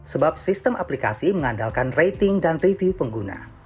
sebab sistem aplikasi mengandalkan rating dan review pengguna